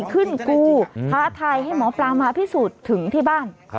กูท้าทายให้หมอปลามาพิสูจน์ถึงที่บ้าน